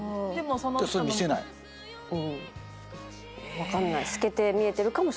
分かんない。